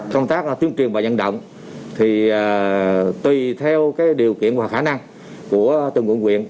công tác tuyên truyền và nhận động thì tùy theo điều kiện hoặc khả năng của từng quận quyện